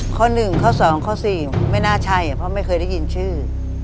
ข้อ๑ข้อ๒ข้อ๔ไม่น่าใช่เพราะไม่เคยได้ยินชื่อ